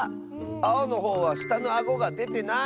あおのほうはしたのあごがでてない！